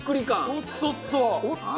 おっとっと！